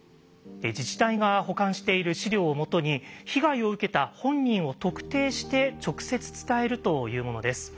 自治体が保管している資料を基に被害を受けた本人を特定して直接伝えるというものです。